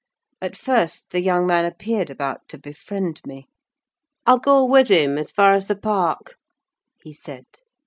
At first the young man appeared about to befriend me. "I'll go with him as far as the park," he said.